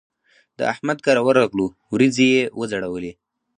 د احمد کره ورغلوو؛ وريځې يې وځړولې.